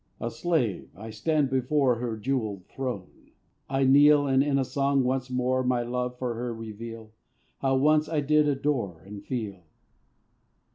A slave, I stand before Her jeweled throne; I kneel, And, in a song, once more My love for her reveal; How once I did adore I feel.